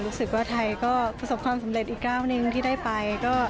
รู้สึกว่าไทยก็ประสบความสำเร็จอีกก้าวหนึ่งที่ได้ไป